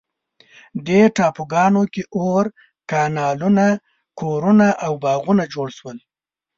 دې ټاپوګانو کې اور، کانالونه، کورونه او باغونه جوړ شول.